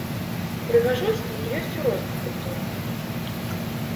Прыгажосць ёсць у розных культурах.